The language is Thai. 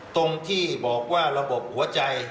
ตรงที่บอกว่าระบบหัวใจ